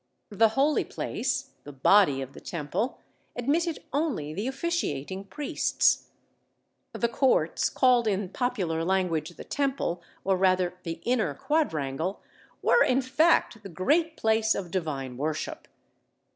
The Holy Place, the body of the Temple, admitted only the officiating priests. The courts, called in popular language the Temple, or rather the inner quadrangle, were in fact the great place of divine worship.